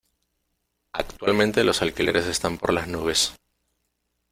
Actualmente los alquileres están por las nubes.